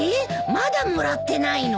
まだもらってないの？